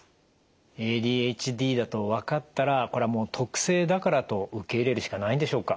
ＡＤＨＤだと分かったらこれはもう特性だからと受け入れるしかないんでしょうか？